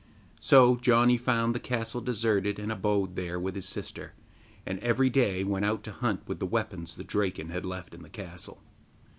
So Janni found the castle deserted, and abode there with his sister, and every day went out to hunt with the weapons the Draken had left in the castle.